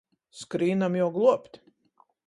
Skrīnam juo gluobt.